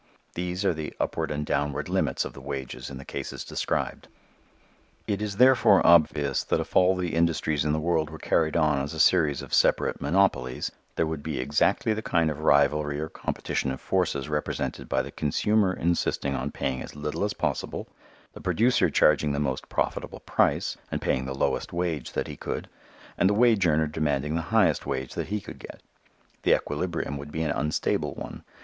These are the upward and downward limits of the wages in the cases described. It is therefore obvious that if all the industries in the world were carried on as a series of separate monopolies, there would be exactly the kind of rivalry or competition of forces represented by the consumer insisting on paying as little as possible, the producer charging the most profitable price and paying the lowest wage that he could, and the wage earner demanding the highest wage that he could get. The equilibrium would be an unstable one.